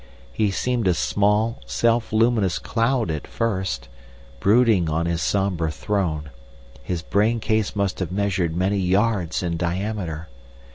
He seemed a small, self luminous cloud at first, brooding on his sombre throne; his brain case must have measured many yards in diameter.